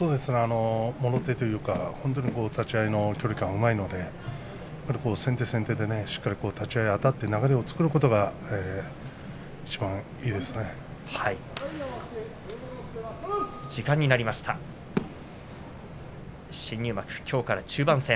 もろ手というか立ち合いの距離感の取り方がうまいので先手先手と、立ち合いあたって流れを作ることが千代丸はいちばんいいでしょうね。